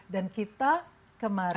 dan kita kemarin